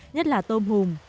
nhất là tôm hùm